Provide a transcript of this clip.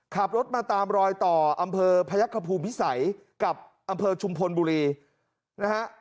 ขับรถมาตามรอยต่ออำเภอพยักษภูมิพิสัยกับอำเภอชุมพลบุรีนะฮะ